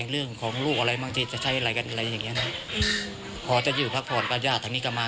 เรื่องของลูกอะไรบางทีจะใช้อะไรกันอะไรอย่างเงี้นะพอจะอยู่พักผ่อนก็ญาติทางนี้ก็มา